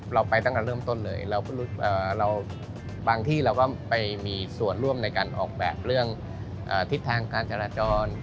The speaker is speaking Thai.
เราไปตั้งแต่เริ่มต้นเลยบางที่เราก็ไปมีส่วนร่วมในการออกแบบเรื่องทิศทางการจราจร